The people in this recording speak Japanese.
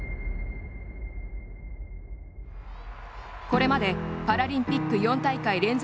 これまで、パラリンピック４大会連続